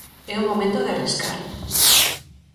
É o momento de arriscar.